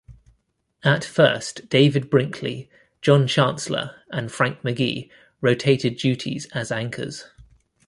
At first, David Brinkley, John Chancellor, and Frank McGee rotated duties as anchors.